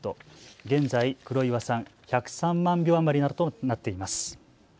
現在黒岩さん、１０３万票余りなどとなっています。